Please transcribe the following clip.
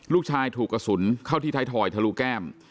ลูกชายถูกกระสุนเข้าที่ไทยทอยทะลุแก้ม